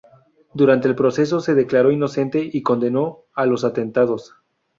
Durante el proceso se declaró inocente y condenó los atentados.